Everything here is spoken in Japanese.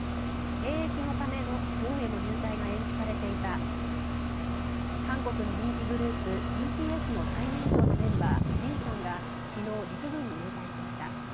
兵役のための軍への入隊が延期されていた韓国の人気グループＢＴＳの最年長のメンバー、ジンさんが昨日、陸軍に入隊しました。